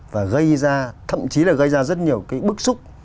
và gây ra thậm chí là gây ra rất nhiều cái bức xúc